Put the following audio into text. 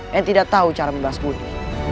yang tidak tahu cara membas budi